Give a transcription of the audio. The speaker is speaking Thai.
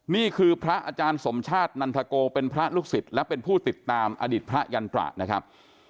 นี่คือพระอาจารย์สมชาตินันทโกเป็นพระลูกศิษย์และเป็นผู้ติดตามอดีตพระยันตรานะครับ